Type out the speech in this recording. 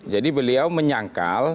jadi beliau menyangkal